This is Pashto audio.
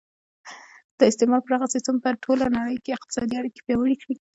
د استعمار پراخه سیسټم په ټوله نړۍ کې اقتصادي اړیکې پیاوړې کړې